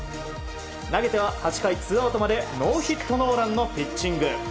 投げては８回ツーアウトまでノーヒットノーランのピッチング。